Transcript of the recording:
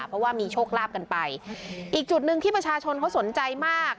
เพราะว่ามีโชคลาภกันไปอีกจุดหนึ่งที่ประชาชนเขาสนใจมาก